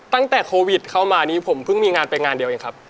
ตั้งแต่โควิดเข้ามานี้ผมเพิ่งมีงานไปงานเดียวเองครับ